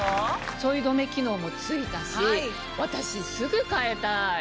ちょい止め機能も付いたし私すぐ替えたい。